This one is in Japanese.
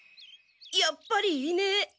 やっぱりいねえ。